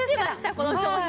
この商品。